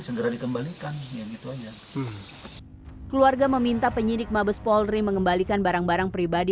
segera dikembalikan keluarga meminta penyidik mabes polri mengembalikan barang barang pribadi